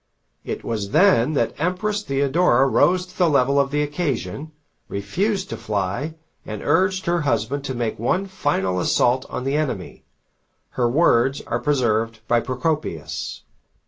It was then that the Empress Theodora rose to the level of the occasion, refused to fly, and urged her husband to make one final assault on the enemy. Her words are preserved by Procopius.